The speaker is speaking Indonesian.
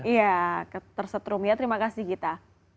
iya tersetrum ya terima kasih gita